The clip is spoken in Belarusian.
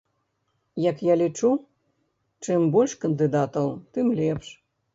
Як я лічу, чым больш кандыдатаў, тым лепш.